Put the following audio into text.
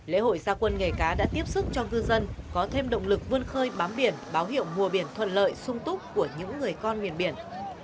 lễ hội gia quân nghề cá đã tiếp xúc cho cư dân có thêm động lực vươn khơi bám biển báo hiệu mùa biển thuận lợi sung túc của những người con miền biển